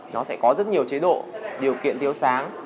nó sẽ có rất nhiều chế độ điều kiện thiếu sáng